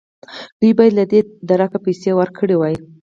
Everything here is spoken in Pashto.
دوی باید له دې درکه پیسې ورکړې وای.